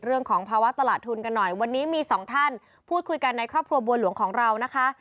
เรื่องของภาวะตลาดทุนกันหน่อยวันนี้มีสองท่านพูดคุยกันในครอบครัวบัวหลวงของเรานะคะ